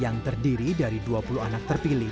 yang terdiri dari dua puluh anak terpilih